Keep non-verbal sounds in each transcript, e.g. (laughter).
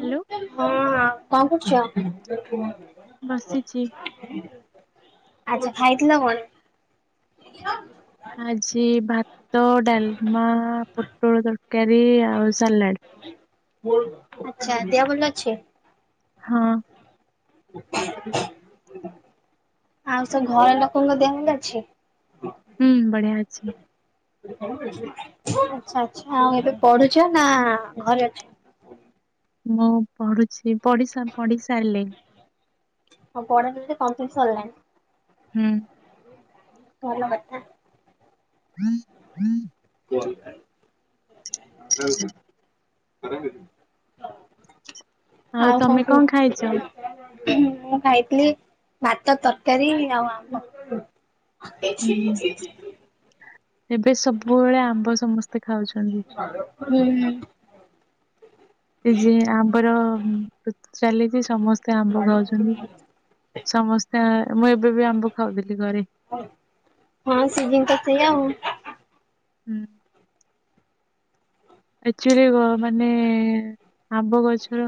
Hello ହଁ କଣ କରୁଛ? ବସିଚି। ଆଚ୍ଛା। ଖାଇଥିଲ କଣ? ଆଜି ଭାତ୍ ତ, ଡାଲମା ପୋଟଳ ତରକାରୀ ଆଉ ସାଲାଡ଼। ଆଚ୍ଛା ଦିଆ ବଲ ଅଛି? ହଁ। ଆଉ ସବୁ ଘରଲୋକଙ୍କ ଦେହ ଭଲ ଅଛି? ହୁଁ ବଢିଆ ଅଛି। ଆଚ୍ଛା ଆଚ୍ଛା। ଆଉ ଏବେ ପଢୁଛ ନା ଘରେ ଅଛ? ହ ମୁଁ ପଢୁଛି ପଢ଼ି ପଢି ସାରିଲେଇ। ଆଉ ପଢ଼ାଟା (unintelligible) କମ୍ପ୍ଲିଟ୍ ସରିଲାଣି? ହୁଁ। ଭଲ କଥା। ହୁଁ ହୁଁ (unintelligible) ଆଉ କଣ କୁଅ? ମୁଁ ଖାଇଥିଲି ଭାତ, ତରକାରୀ ଆଉ ଆମ୍ୱ ଅ ହୁଁ ହୁଁ ଏବେ ସବୁବେଳେ ଆମ୍ବ ସମସ୍ତେ ଖାଉଛନ୍ତି। ହୁଁ ସେ ଯିଏ ଆମ୍ବର ଚାଲିଚି ସମସ୍ତେ ଆମ୍ବ ଖାଉଛନ୍ତି। ସମସ୍ତେ ମୁଁ ଏବେ ବି ଆମ୍ବ ଖାଉଥିଲି ଘରେ। ହଁ ସିଜିନ ତ ସେଇଆ ଆଉ ହୁଁ। ଆଚୁଆଲି ମାନେ ଆମ୍ବ ଗଛର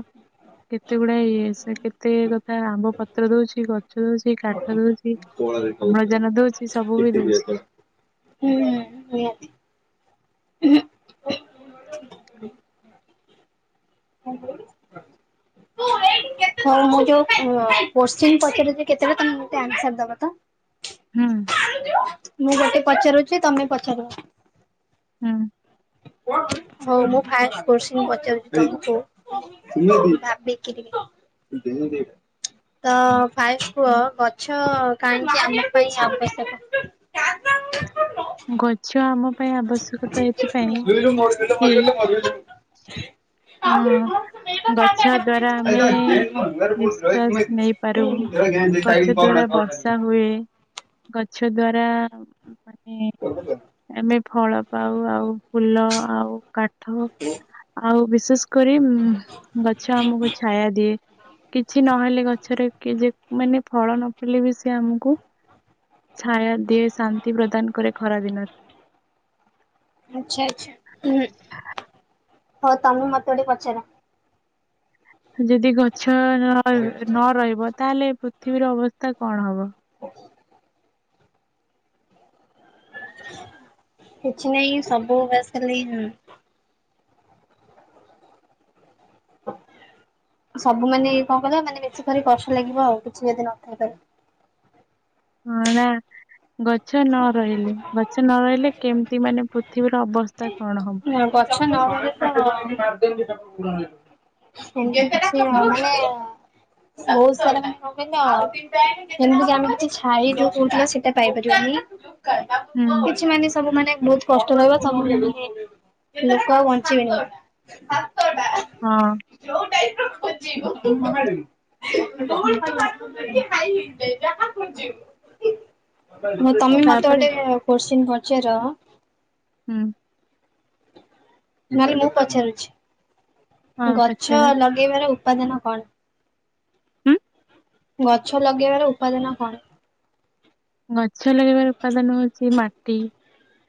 କେତେ ଗୁଡା ଇଏ ସେ କେତେ କଥା ଆମ୍ବ ପତ୍ର ଦଉଛି। କଛ ଦଉଛି କାଠ ଦଉଛି ଅମ୍ଳଜାନ ଦଉଛି ସବୁ ବି ଦଉଛି। ହୁଁ ନିହାତି। ଉହୁଁ। (unintelligible) ହହଁ ହଁ ଯଉ କୋଶଚୀନ ପଚାରୁଚି କେତେକ ତମେ ଆନ୍ସର ଦବ ତ? ହୁଁ। ମୁଁ ଗୋଟେ ପଚାରୁଛି ତମେ ପଚାରିବ। ହୁଁ। ହଉ ମୁଁ ଫାଷ୍ଟ କୋଶଚୀନ ପଚାରୁଛି ତମକୁ ଭାବିକିରି। ତି (inaudible) ତ ଫାଷ୍ଟ କୁହ ଗଛ କାହିଁକି ଆମ ପାଇଁ ଆବଶ୍ୟକ। ଗଛ ଆମ ପାଇଁ ଆବଶ୍ୟକତା ମ ଏଥିପାଇଁ ମ କି ମ (unintelligible) ହଁ ଅଁ। ଗଛ ଦ୍ଵାରା ଆମେ ନିଶ୍ଵାସ ନେଇପାରୁ ଗଛ ଦ୍ୱାରା ବର୍ଷା ହୁଏ ଗ ଛ ଦ୍ଵାରା ମାନେ ଆମେ ଫଳ ପାଉ ଆଉ ଫୁଲ ଆଉ କାଠ ଆଉ ବିଶେଷ କରି ଗଛ ଆମକୁ ଛାୟା ଦିଏ କିଛି ନହେଲେ ଗଛରେ କି ଯେ ମାନେ ଫଳ ନ ଫଳିଲେ ବି ସେ ଆମକୁ ଛାୟା ଦିଏ ଶାନ୍ତିି ପ୍ରଦାନ କରେ ଖରା ଦିନରେ। ଆଛା ଆଛା ହୁଁ ହଉ ତମେ ମତେ ଗୋଟେ ପଚାର। ଯଦି ଗ ଛ ନ ରହିବ ତାହେଲେ ପୃଥିବୀର ଅବସ୍ଥା କଣ ହବ। କିଛି ନାଇଁ ସବୁ ବାସ ଖାଲି ହ (inaudible) ସବୁ ମାନେ କଣ କହିଲେ ମାନେ ବେଶୀ କରି କଷ୍ଟ ଲାଗିବ ଆଉ କିଛି ଯଦି ନଥାଇପାରେ। ହଁ ନା ଗଛ ନ ରହିଲେ ଗ ସେ ନ ରହିଲେ କେମିତି ମାନେ ପୃଥିବୀର ଅବସ୍ଥା କଣ ହବ। (unintelligible) (unintelligible) ବହୁତ ସାରା ଆଉ ଯେମିତିକ ଆମେ କିଛି ଛାଇ ଯଉ କହୁଥିଲ ସେଇଟା ପାଇପାରିବାନି। ହୁଁ କିଛି ମାନେ ସବୁ ମାନେ ବହୁତ କଷ୍ଟ ରହିବ ସବୁ। ଲୋକଆଉ ବଞ୍ଚିବେନି। ହଁ (inaudible) ଖାଇ ହେଇଯ ଯାହାିବ (unintelligible) ମୁଁ ତମେ ମତେ ତାପରେ ଗୋଟେ କୋସିନ ପଚାର ହୁଁ। ନହେଲେ ମୁଁ ହଁ ପଚାରୁଛି ଗଛ ପଚାର ଲଗେଇବାର ଉପାଦାନ କଣ? ହୁଁ। ଗଛ ଲଗେଇବାର ଉପାଦାନ କଣ? ଗଛ ଲଗେଇବାର ଉପାଦାନ ହଉଛି ମାଟି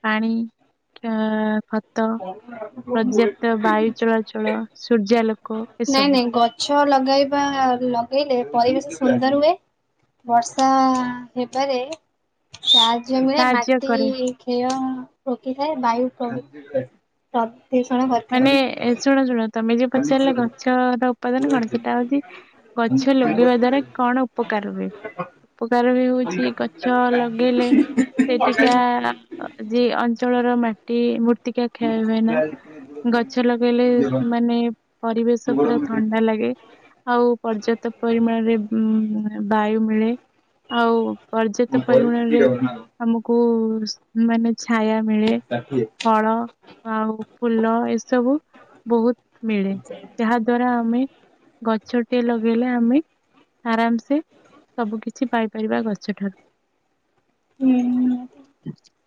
ପାଣି। ଖତ ପର୍ଯ୍ୟାପ୍ତ ବାୟୁ ଚଳାଚଳ ସୂର୍ଯ୍ୟାଲୋକ ଏସବୁ। ଛ ଲଗେଇବା ଲଗେଇଲେ ପରିବେଶ ସୁନ୍ଦର ହୁଏ। ବର୍ଷା ହେବାରେ ଚା ଜମିରେ ସାହାଯ୍ୟ ମାଟି କରେ କ୍ଷୟ ରୋକିଥାଏ ବାୟୁ କରିଥାଏ। ମାନେ ଶୁଣ ଶୁଣ ତମେ ଯ ପଚାରିଲ ଗଛର ଉପାଦାନ କଣ ସେଟା ହଉଛି ଗଛ ଲଗେଇବା ଦ୍ଵାରା କଣ ଉପକାର ହୁଏ ଉପକାର ହଉଚି ଗଛ ଲଗେଇଲେ ସେଠିକା ଜି ଅଞ୍ଚଳର ମାଟି ଟି ମୂର୍ତ୍ତିକା ଖେୟ ହୁଏନା। ଗଛ ଲଗେଇଲେ ମାନେ ପରିବେଶ ପୁରା ଥଣ୍ଡା ଲାଗେ। ଆଉ ପର୍ଯ୍ୟାପ୍ତ ପରିମାଣରେ ଉ ବାୟୁ ମିଳେ ଆଉ ପର୍ଯ୍ୟାପ୍ତ ପରିମାଣରେ ଆମକୁ ମାନେ ଛାୟା ମିଳେ ଫଳ ଆଉ ଫୁଲ ଏ ସବୁ ବହୁତ ମିଳେ ଯାହା ଦ୍ଵାରା ଆମେ ଗଛ ଟେ ଲଗେଇଲେ ଆମେ ଆରାମସେ ସବୁ କିିଛି ପାଇପାରିବା ଗଛଠାରୁ ହୁଁ।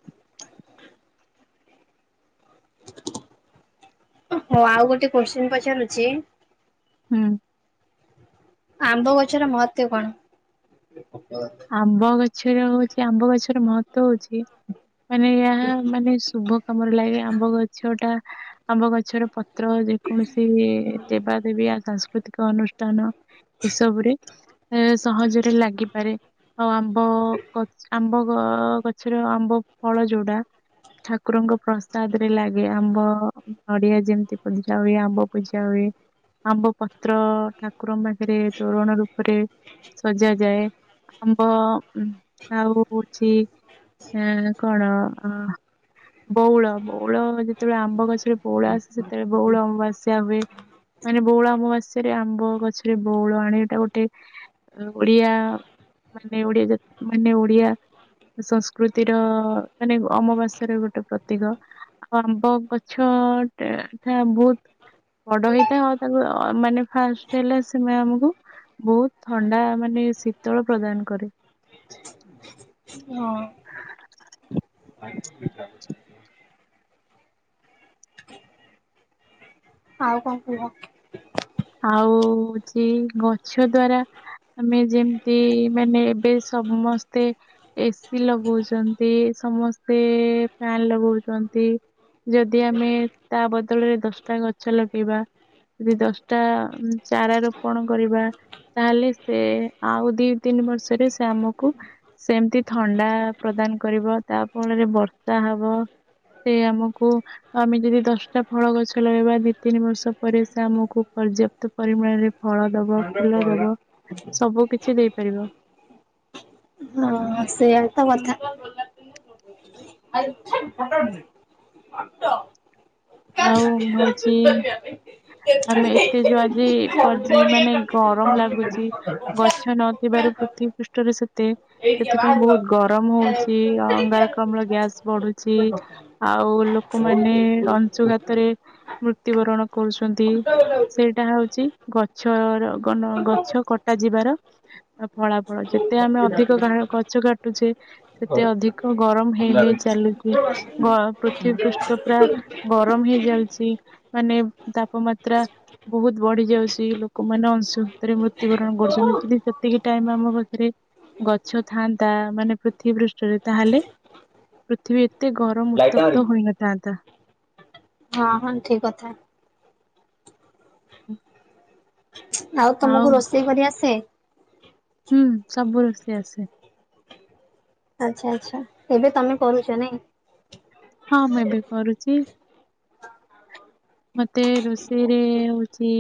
ହଁ ଆଉ ଗୋଟେ କୋଶ୍ଚନି ପଚାରୁଛି। ହୁଁ। ଆମ୍ବ ଗଛର ମହତ୍ବ କଣ? ଆମ୍ବ ଗଛର ହଉଛି ଆମ୍ବ ଗଛର ମହତ୍ଵ ହଉଛି ମାନେ ଏହା ମାନେ ଶୁଭ କାମରେ ଲାଗେ ଆମ୍ବ ଗଛଟା ଆମ୍ବ ଗଛର ତ୍ର ଯେକୌଣସି ଦେବା ଦେବୀ ଆ ସାଂସ୍କୃତିକ ଅନୁଷ୍ଠାନ। ଏସବୁ ରେ ଏ ସହଜରେ ଲାଗିପାରେ ଆଉ ଆମ୍ବ ଆମ୍ ଆମ୍ବ ଗଛର ଆମ୍ବ ଫଳ ଯୋଉଟା ଠାକୁରଙ୍କ ପ୍ରସାଦ ରେ ଲାଗେ ଆମ୍ବ ନଡିଆ ଯେମତି ପୂଜା ହୁଏ ଆମ୍ବ ପୂଜା ହୁଏ। ଆମ୍ବ ପତ୍ର ଠାକୁରଙ୍କ ପାଖରେ ତୋରଣ ରୂପରେ ସଜାଯାଏ। ଅଛି ଆ କଣ ଅ ବଉଳ ବଉଳ ଯେ ଯେତେବେଳେ ଆମ୍ବ ଗଛରେ ବଉଳ ଆସେ ସେତେବେଳେ ବଉଳ ଅମାବାସ୍ୟା ହୁଏ। ମାନେ ବଉଳ ଅମବାସ୍ୟା ଗଛରେ ଆମ୍ବ ଗଛରେ ବଉଳ ଆଣିବାଟା ଗୋଟେ ଓଡିଆ ମାନେ ଓଡ଼ିଆ ଜାତି ମାନେ ଓଡ଼ିଆ ସଂସ୍କୃତିର ମାନେ ଅମବାସ୍ୟ ର ଗୋଟେ ପ୍ରତୀକ ଆଉ ଆମ୍ବ ଗଛ ହଟ ଥା ବହୁତ। ବଡ ହେଇଥାଏ ଆଉ ତାକୁ ମାନେ ଫାଷ୍ଟ ହେଲା ସେ ଆମକୁ ବହୁତ ଥଣ୍ଡା ମାନେ ଶୀତଳ ପ୍ରଦାନ କରେ। ହଁ। ଆଉ କଣ କୁହ? ଆଉଛି ଗଛ ଦ୍ଵାରା ଆମେ ଯେମିତି ମାନେ ଏବେ ସମସ୍ତେ ଏସି ଲଗଉଛନ୍ତି। ସମସ୍ତେ ଫ୍ୟାନ ଲଗଉଛନ୍ତି। ଯଦି ଆମେ ତା ବଦଳରେ ଦଶଟା ଗଛ ଲଗେଇବା ଯଦି ଦଶ ଟା ଚାରା ରୋପଣ କରିବା ତାହେଲେ ସେ ଆଉ ଦି ତିନି ବର୍ଷରେ ଆମକୁ ସେମିତି ଥଣ୍ଡା ପ୍ରଦାନ କରିବ ତା ଫଳରେ ବର୍ଷା ହବ। ସେ ଆମକୁ ଆମେ ଯଦି ଦଶଟା ଫଳ ଗଛ ଲଗେଇବା ଦି ତିନି ବର୍ଷ ପରେ ସେ ଆମକୁ ପର୍ଯ୍ୟାପ୍ତ ପରିମାଣରେ ଫଳ ଦବ ଫୁଲ ଦବ। ସବୁ କିଛି ଦେଇପାରିବ। ହଁ ସେୟାତ କଥା। (unintelligible) ଆଉ ମୁଁ ହଉଛି ଆମେ ଏତେ ଯୋଉ ଆଜି ମାନେ ଗରମ ଲାଗୁଛି। ଗଛ ନଥିବା ରୁ ପୃଥିବୀ ପୃଷ୍ଠରେ ସେ ସେଥିପାଇଁ ବହୁତ ଗରମ ହଉଛି ଅଙ୍ଗାରକାମଳ ଗ୍ୟାସ୍ ବଢୁଛି ଆ ଆଉ ଲୋକମାନେ ଅଂଶୁଘାତରେ ମୃତ୍ୟୁବରଣ କରୁଛନ୍ତି। ସେଇଟା ହଉଛି ଗଛର ଗଛ କଟା ଯିବାର ଫଳା ଫଳ ଯେତେ ଆମେ ଅଧିକା ଗଛ କାଟୁଛେ ସେତେ ଅଧିକ ଗରମ ହେଇ ହେଇ ଚାଲୁଛି ଗ ପୃଥିବୀ ପୃଷ୍ଠ ପୁରା ଗରମ ହେଇଯାଉଛି। ମାନେ ତାପମାତ୍ରା ବହୁତ ବଢି ଯାଉଛି। ଲୋକମାନେ ଅଂଶୁ ଘାତ ରେ ମୃତ୍ୟୁବରଣ କରୁଛନ୍ତି। ଯଦି ସେତିକି ଟାଇମ ଆମ ପାଖରେ ଗଛ ଥାଆନ୍ତା ମାନେ ପୃଥିବୀ ପୃଷ୍ଠରେ ତାହେଲେ ପୃଥିବୀ ଏତେ ଗ ଗରମ ଉତ୍ତପ୍ତ ହୋଇ ନଥାନ୍ତା। ହଁ ହଁ ଠିକ କଥା। (inaudible) ଆଉ ତମକୁ ରୋଷେଇ କରି ଆସେ? ହୁଁ ସବୁ ରୋଷେଇ ଆସେ। ଆଛା ଆଛା ଏବେ ତମେ କରୁଛ ନାଇଁ। ହଁ ମୁଁ ଏବେ କରୁଚି। ମତେ ରୋଷେଇରେ ହଉଛି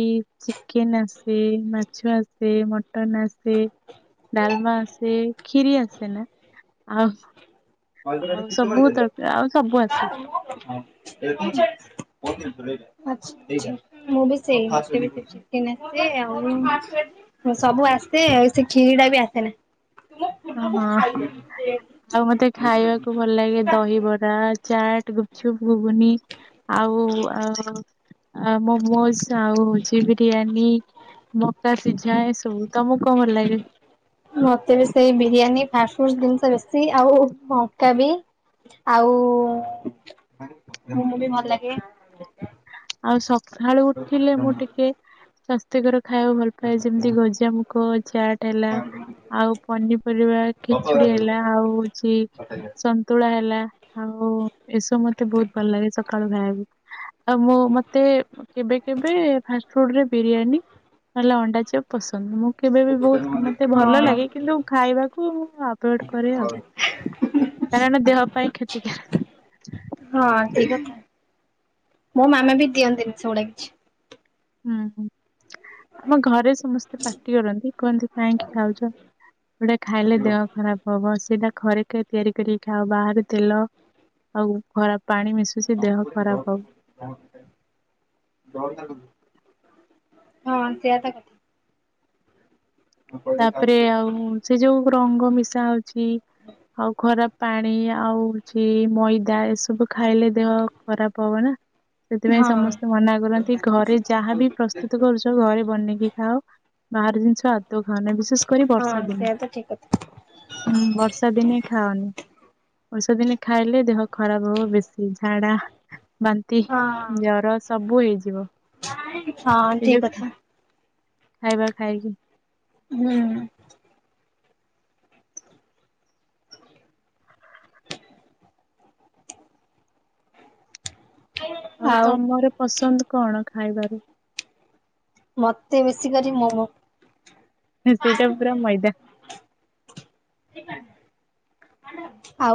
ଚିକେନ ଆସେ, ମାଛ ଆସେ, ମ ମଟନ ଆସେ, ଡାଲମା ଆସେ, ଖିରି ଆସେନା। ଆଉ ଆଉ ସବୁ ତରକା ଆଉ ସବୁ ଆସେ। (unintelligible) ମୁଁ ବି ସେଇ। ଚିକେନ ଆସେ। ଆଉ ସବୁ ଆସେ ଆଉ ସେ କ୍ଷୀରି ଟା ବି ଆସେ ନା। ଅ ହଁ। ଆଉ ମତେ ଖାଇବାକୁ ଭଲ ଲାଗେ ଦହିବର, ଚାଟ, ଗୁପ୍ ଚୁପ୍, ଘୁଗୁନି ଆଉ ଆ ମୋମୋଜ ଆଉ ହଉଛି ବିରିୟାନୀ, ମକା ସିଝା ଏସବୁ। ତମକୁ କଣ ଭଲ ଲାଗେ? ମତେ ବି ସେଇ ବିରିୟାନୀ ଫାଷ୍ଟ ଫୁଡ୍ ଜିନିଷ ବେଶୀ ଆଉ ମକା ବି। ଆଉ ମୋମୋ ବି ଭଲ ଲାଗେ। ଆଉ ସକାଳୁ ଉଠିଲେ ମୁଁ ଟିକେ ସ୍ୱାସ୍ଥ୍ୟକର ଖାଇବାକୁ ଭଲ ପାଏ। ଯେମିତି ଗଜା ମୁୁଖ ଚାଟ୍ ହେଲା ଆଉ ପନିପରିବା ଖିଚୁଡି ହେଲା ଆଉ ହଉଛି ସନ୍ତୁଳା ହେଲା। ଆଉ ଏସବୁ ମତେ ବହୁତ ଭଲ ଲାଗେ, ସକାଳୁ ଖାଇବାକୁ। ଆଉ ମୁଁ ମତେ କେବେ କେବେ ଫାଷ୍ଟଫୁଡ ରେ ବିରିୟାନୀ ନହେଲେ ଅଣ୍ଡା ଚପ୍ ପସନ୍ଦ। ମୁଁ କେବେ ବି ବହୁତ ମତେ ଭଲ ହଁ। ଲାଗେ କିନ୍ତୁ ଖାଇବାକୁ ମୁଁ ଆଭୋଏଡ୍ କରେ ଆଉ। କାରଣ ଦେହ ପାଇଁ କ୍ଷତି କାର ହଁ ଠିକ୍। ମୋ ମାମା ବି ଦିଅନ୍ତିନି ସେଗୁଡା କିଛି। ହୁଁ ହୁଁ ଆମ ଘରେ ସମସ୍ତେ ପାଟି କରନ୍ତି କୁହନ୍ତି କାହିଁକି ଖାଉଚ। ଖାଇଲେ ଦେହ ଖରାପ ହବ। ସେଇଟା ଘରେ ଖା ତିଆରି କରିକି ଖାଅ ବାହରେ ତେଲ ଆଉ ଖରାପ ପାଣି ମିଶୁଚି ଦେହ ଖରାପ ହବ। ହଁ ସେଆତା କଥା। ତାପରେ ଆଉ ସେ ଯୋଉ ରଙ୍ଗ ମିଶା ହଉଚି ଆଉ ଖରାପ ପାଣି ଆଉ ଚି ମଇଦା ଏସବୁ ଖାଇଲେ ଦେହ ଖରାପ ହବ ନା। ସେଥିପାଇଁ ହଁ ସମସ୍ତେ ମନା କରନ୍ତି ଘରେ ଯାହାବି ପ୍ରସ୍ତୁତ କରୁଚ ଘରେ ବନେଇକି ଖାଅ। ବାହାର ଜିନିଷ ଆଦୌ ଖାଓନାହିଁ। ବିଶେଷ କରି ହଁ ବର୍ଷା ଦିନେ। ସେଇଆ ତ ଠିକ କଥା ହୁଁ ବର୍ଷା ଦିନେ ଖାଅନି। ବର୍ଷା ଦିନେ ଖାଇଲେ ଦେହ ଖରାପ ହବ ବେଶୀ। ଝାଡା ବାନ୍ତି, ହଁ ଜ୍ଵର ସବୁ ହେଇଯିବ। ହଁ ଏ ଯୋଉ ଠିକ କଥା। ଖାଇବା ଖାଇକି ହୁଁ। ଆଉ ତମର ପସନ୍ଦ କଣ ଖାଇବାରୁ? ମତେ ବେଶୀ କରି ମୋ। ସେଇଟାପୁରା ମଇଦା। ଆଉ